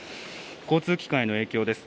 交通機関への影響です。